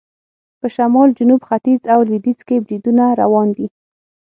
په شمال، جنوب، ختیځ او لویدیځ کې بریدونه روان دي.